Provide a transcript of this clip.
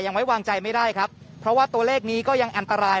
ไว้วางใจไม่ได้ครับเพราะว่าตัวเลขนี้ก็ยังอันตราย